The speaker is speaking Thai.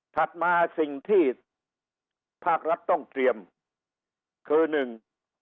ถัดมาสิ่งที่ภาครัฐต้องเตรียมคือหนึ่ง